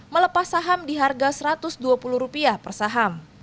melepas saham di harga rp satu ratus dua puluh per saham